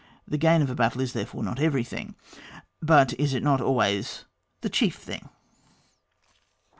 The gain of a battle is therefore not everything, — but is it not always the chief thing